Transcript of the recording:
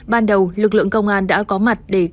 ban đầu lực lượng công an đã có mặt để cố gắng